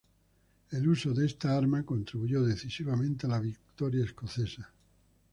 El uso de esta arma contribuyó decisivamente a la victoria escocesa.